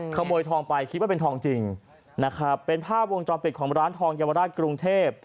ขโมยทองไปคิดว่าเป็นทองจริงนะครับเป็นภาพวงจรปิดของร้านทองเยาวราชกรุงเทพ